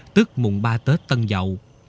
tức mùng ba tết tân dậu